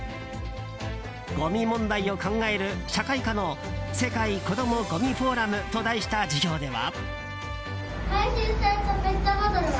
ごみ問題を考える社会科の世界子どもごみフォーラムと題した授業では。